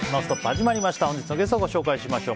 始まりました。